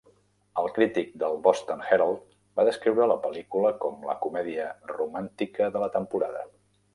El crític del "Boston Herald" va descriure la pel·lícula com "la comèdia romàntica de la temporada".